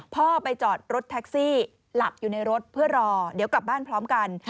พ่อไปจอดรถแท็กซี่หลับอยู่ในรถเพื่อรอเดี๋ยวกลับบ้านพร้อมกัน